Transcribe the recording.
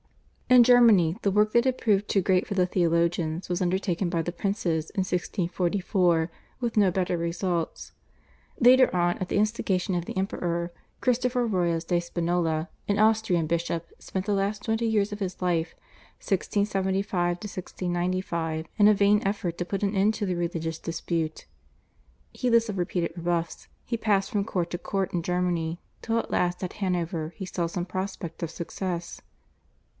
In Germany the work, that had proved too great for the theologians, was undertaken by the princes in 1644, with no better results. Later on, at the instigation of the Emperor, Christopher Royas de Spinola, an Austrian bishop, spent the last twenty years of his life (1675 1695) in a vain effort to put an end to the religious dispute. Heedless of repeated rebuffs, he passed from court to court in Germany till at last at Hanover he saw some prospect of success.